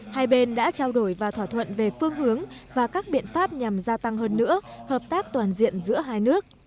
hai bên đã trao đổi và thỏa thuận về phương hướng và các biện pháp nhằm gia tăng hơn nữa hợp tác toàn diện giữa hai nước